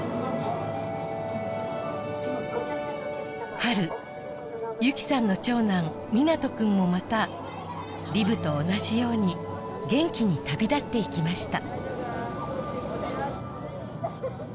春由起さんの長男皆杜君もまたリブと同じように元気に旅立っていきました